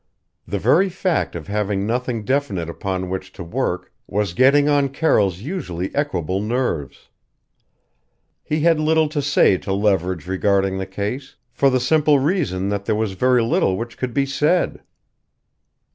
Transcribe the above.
The very fact of having nothing definite upon which to work was getting on Carroll's usually equable nerves. He had little to say to Leverage regarding the case, for the simple reason that there was very little which could be said.